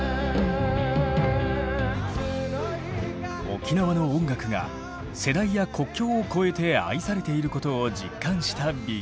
沖縄の音楽が世代や国境を越えて愛されていることを実感したＢＥＧＩＮ。